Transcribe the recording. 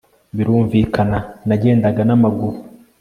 birumvikana nagendaga namaguru